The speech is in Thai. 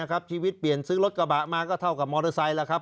ชีวิตเปลี่ยนซื้อรถกระบะมาก็เท่ากับมอเตอร์ไซค์แล้วครับ